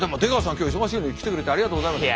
今日忙しいのに来てくれてありがとうございました。